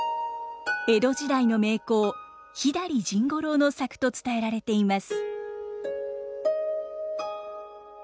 江戸時代の名工左甚五郎の作と伝えられています。